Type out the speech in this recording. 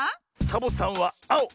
サボさんはあお！